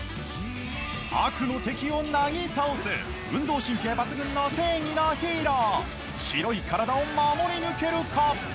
悪の敵をなぎ倒す運動神経抜群の正義のヒーロー白い体を守り抜けるか！？